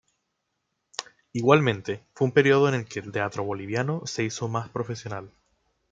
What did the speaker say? Igualmente, fue un periodo en el que el teatro boliviano se hizo más profesional.